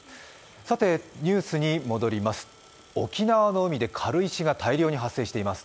ニュースに戻ります。